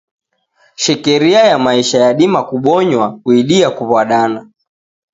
Shekeria ya maisha yadima kubonywa kuidia kuw'adana.